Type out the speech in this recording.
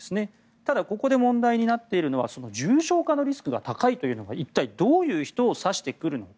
ただ、ここで問題になっているのは重症化リスクが高いとなっているのは一体どういう人を指してくるのか。